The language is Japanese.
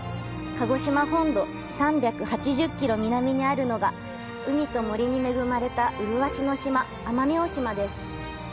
鹿児島本土３８０キロ南にあるのが、海と森に恵まれた麗しの島、奄美大島です。